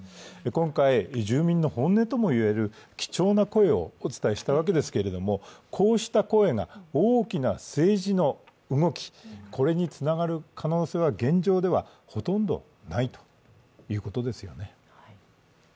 今回、住民の本音とも言える貴重な声をお伝えしたわけですけれどもこうした声が大きな政治の動きにつながる可能性は現状ではほとんどないということですよね。